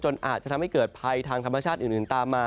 อาจจะทำให้เกิดภัยทางธรรมชาติอื่นตามมา